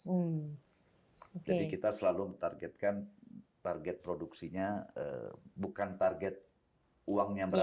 jadi kita selalu targetkan target produksinya bukan target uangnya berapa